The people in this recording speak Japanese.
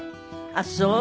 あっそう。